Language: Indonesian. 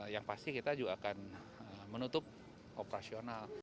yang pasti kita juga akan menutup operasional